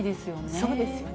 そうですよね。